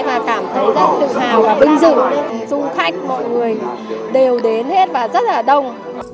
rất tự hào và vinh dự dung khách mọi người đều đến hết và rất là đông